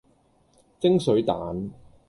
蒸水蛋